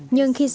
nhưng khi dậy